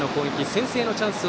先制のチャンス。